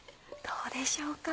どうでしょうか？